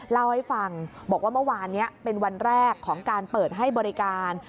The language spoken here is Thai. เล่าให้ฟังบอกว่าเมื่อวานนี้เป็นวันแรกของการเปิดให้บริการ